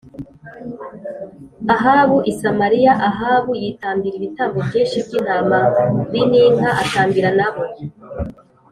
Ahabu i Samariya a Ahabu yitambira ibitambo byinshi by intama b n inka atambira n abo